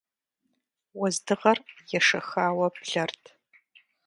Уэздыгъэр ешэхауэ блэрт.